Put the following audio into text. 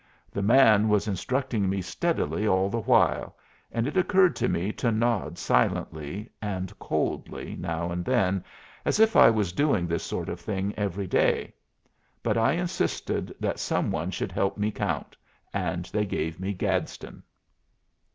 The man was instructing me steadily all the while, and it occurred to me to nod silently and coldly now and then, as if I was doing this sort of thing every day. But I insisted that some one should help me count, and they gave me Gadsden.